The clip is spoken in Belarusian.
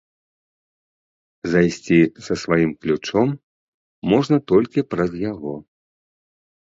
Зайсці са сваім ключом можна толькі праз яго.